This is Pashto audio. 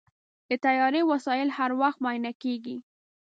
د طیارې وسایل هر وخت معاینه کېږي.